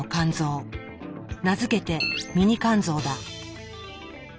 名付けて「ミニ肝臓」だ。